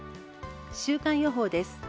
週間予報です。